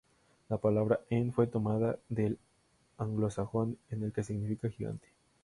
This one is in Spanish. La palabra "ent" fue tomada del anglosajón, en el que significa ‘gigante’.